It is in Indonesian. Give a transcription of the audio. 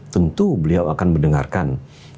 tentu beliau akan mendengarkan